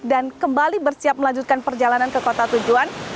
dan kembali bersiap melanjutkan perjalanan ke kota tujuan